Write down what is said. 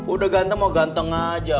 udah ganteng mau ganteng aja